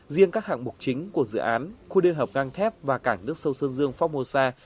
riêng các hạng mục chính của dự án khu liên hợp ngang thép và cảng nước sâu sơn dương phóc mô sa